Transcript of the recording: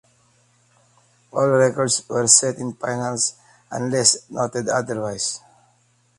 All records were set in finals unless noted otherwise.